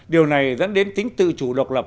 điều này dẫn đến tính tự chủ độc lập